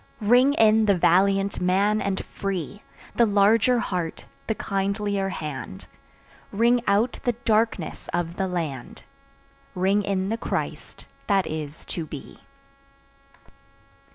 Ring in the valiant man and free, The larger heart, the kindlier hand; Ring out the darkenss of the land, Ring in the Christ that is to be.